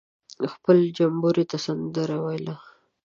خپل جمبوري ته سندره ویله.